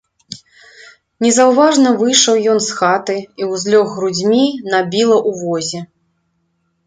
Незаўважна выйшаў ён з хаты і ўзлёг грудзьмі на біла ў возе.